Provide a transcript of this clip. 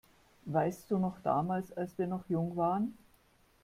Weißt du noch damals, als wir noch jung waren?